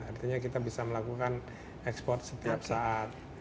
artinya kita bisa melakukan ekspor setiap saat